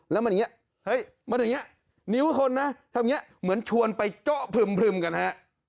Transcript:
แล้วมันอย่างนี้เฮ้ยมันอย่างนี้นิ้วคนนะทำอย่างนี้เหมือนชวนไปเจาะพลึมกันฮะ